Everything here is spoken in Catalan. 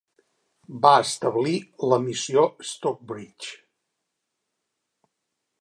Va establir la missió Stockbridge.